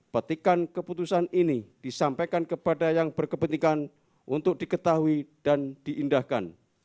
petikan keputusan ini disampaikan kepada yang berkepentingan untuk diketahui dan diindahkan